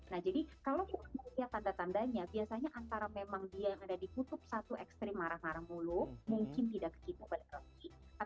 nah jadi kalau kita melihat tanda tandanya biasanya antara memang dia yang ada di kutub satu ekstrim marah marah mulu mungkin tidak ketipu balik lagi